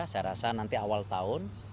saya rasa nanti awal tahun